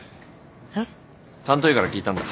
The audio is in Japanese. えっ？担当医から聞いたんだ。